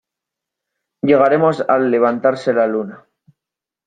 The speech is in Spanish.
llegaremos al levantarse la luna.